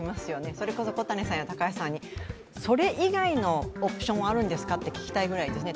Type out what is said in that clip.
それこそ小谷さんや高橋さんにそれ以外のオプションがあるんですかと聞きたいですね。